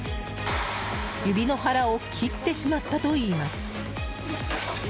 指の腹を切ってしまったといいます。